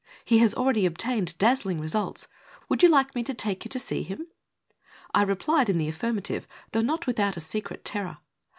He has already obtained dazzling results. Would you like me to take you to see him ?" I replied in the affirmative, though not without a secret terror.